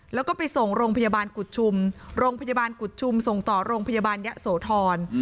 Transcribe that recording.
แล้วก็ไปส่งโรงพยาบาลกุฎชุมโรงพยาบาลกุฎชุมส่งต่อโรงพยาบาลยะโสธร